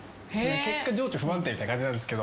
結果情緒不安定みたいな感じなんですけど。